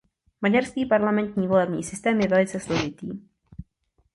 Maďarský parlamentní volební systém je velice složitý.